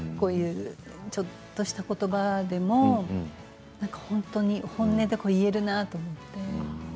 ちょっとした言葉でも本当に本音で言えるなって。